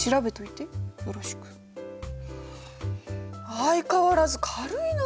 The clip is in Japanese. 相変わらず軽いな。